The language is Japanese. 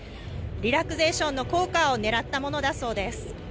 リラクゼーションの効果をねらったものだそうです。